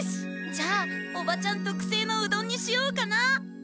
じゃあおばちゃんとくせいのうどんにしようかな。